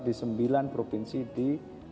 di sembilan provinsi di